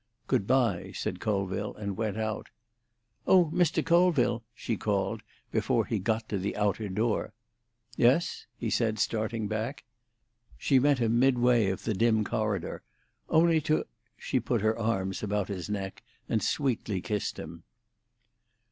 "Good bye," said Colville, and went out. "Oh, Mr. Colville!" she called, before he got to the outer door. "Yes," he said, starting back. She met him midway of the dim corridor. "Only to—" She put her arms about his neck and sweetly kissed him.